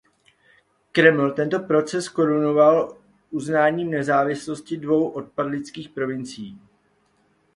Kreml tento proces korunoval uznáním nezávislosti dvou odpadlických provincií.